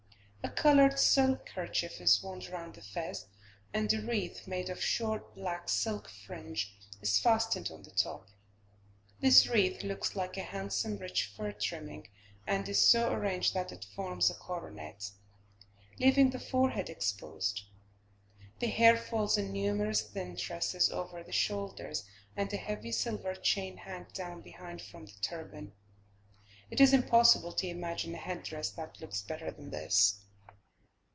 A coloured silk kerchief is wound round the fez, and a wreath made of short black silk fringe is fastened on the top. This wreath looks like a handsome rich fur trimming, and is so arranged that it forms a coronet, leaving the forehead exposed. The hair falls in numerous thin tresses over the shoulders, and a heavy silver chain hangs down behind from the turban. It is impossible to imagine a head dress that looks better than this.